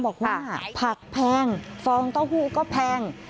บอกว่าผักแพงฟองเต้าหู้ก็แพง